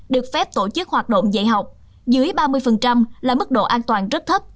được phép tổ chức hoạt động dạy học dưới ba mươi là mức độ an toàn rất thấp